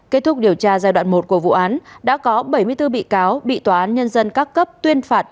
kết thúc điều tra giai đoạn một của vụ án đã có bảy mươi bốn bị cáo bị tòa án nhân dân các cấp tuyên phạt